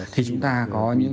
thì chúng ta có những cái hướng